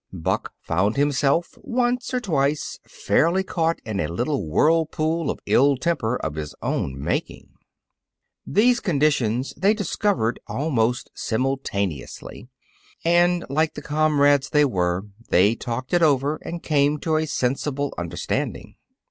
Buck found himself, once or twice, fairly caught in a little whirlpool of ill temper of his own making. These conditions they discovered almost simultaneously. And like the comrades they were, they talked it over and came to a sensible understanding.